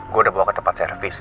gue udah bawa ke tempat service